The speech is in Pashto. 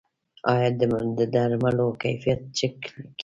آیا د درملو کیفیت چک کیږي؟